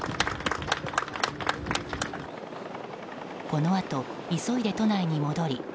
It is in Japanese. このあと、急いで都内に戻り